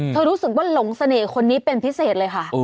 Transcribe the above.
รู้สึกว่าหลงเสน่ห์คนนี้เป็นพิเศษเลยค่ะ